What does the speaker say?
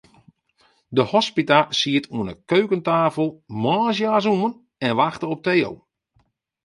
De hospita siet oan 'e keukenstafel, moarnsjas oan, en wachte op Theo.